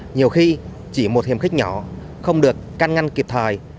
nhiều khi chỉ một hiểm khích nhỏ không được căn ngăn kịp thời